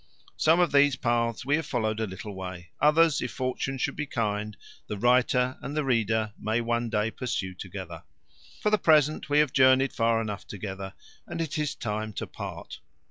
Some of these paths we have followed a little way; others, if fortune should be kind, the writer and the reader may one day pursue together. For the present we have journeyed far enough together, and it is time to part.